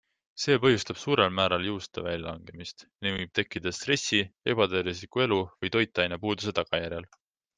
See põhjustab suurel määral juuste väljalangemist ning võib tekkida stressi, ebatervisliku elu või toitainepuuduse tagajärjel.